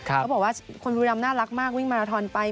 เขาบอกว่าคนบุรีรำน่ารักมากวิ่งมาราทอนไป